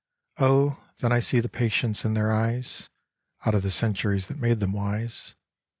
Oh, then I see the patience in their eyes Out of the centuries that made them wise.